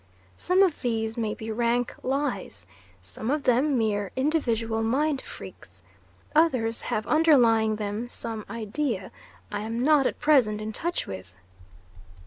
Some of these may be rank lies, some of them mere individual mind freaks, others have underlying them some idea I am not at present in touch with.